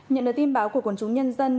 nhận được tin báo của quần chúng nhân dân